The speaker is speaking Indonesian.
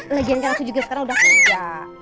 lagian karena aku juga sekarang udah kerja